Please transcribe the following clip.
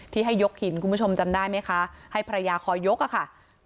ที่ให้ยกหินคุณผู้ชมจำได้ไหมคะให้ภรรยาคอยยกอะค่ะ